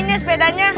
jagain ya sepedanya